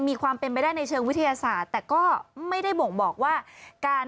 มันมีอะไรเปลี่ยนแปลงหรือเปล่า